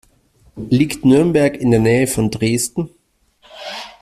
Liegt Nürnberg in der Nähe von Dresden?